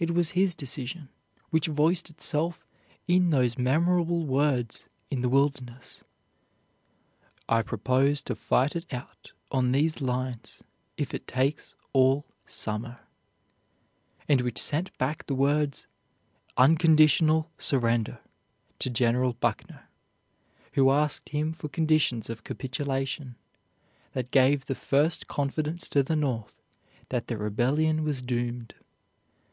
It was his decision which voiced itself in those memorable words in the Wilderness, "I propose to fight it out on these lines if it takes all summer," and which sent back the words "unconditional surrender" to General Buckner, who asked him for conditions of capitulation, that gave the first confidence to the North that the rebellion was doomed.